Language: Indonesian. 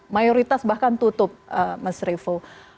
mayoritas bahkan tutup mas revo